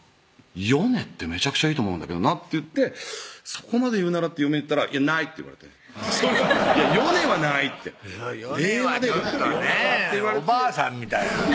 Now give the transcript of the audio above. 米ってめちゃくちゃいいと思うんだけどな」って言ってそこまで言うならって嫁に言ったら「ない」って言われて「米はない」って米はちょっとねぇおばあさんみたいや